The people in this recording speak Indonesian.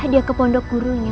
dia ke pondok gurunya